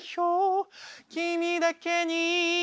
「君だけに」